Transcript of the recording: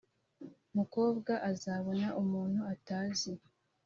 umukobwa azabona umuntu utazi